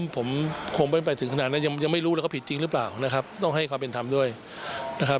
ผมคงไม่ไปถึงขนาดนั้นยังไม่รู้เลยว่าผิดจริงหรือเปล่านะครับต้องให้ความเป็นธรรมด้วยนะครับ